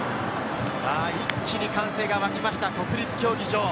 一気に歓声が沸きました、国立競技場。